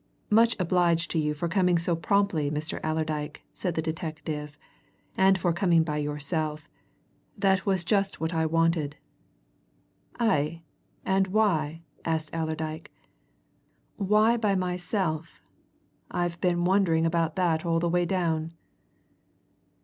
"Much obliged to you for coming so promptly, Mr. Allerdyke," said the detective. "And for coming by yourself that was just what I wanted." "Aye, and why?" asked Allerdyke. "Why by myself? I've been wondering about that all the way down."